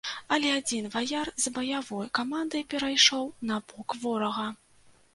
Але адзін ваяр з баявой каманды перайшоў на бок ворага.